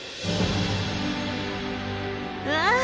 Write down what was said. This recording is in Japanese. わあ！